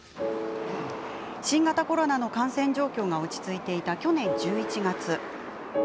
新型コロナの感染状況が落ち着いていた去年１１月。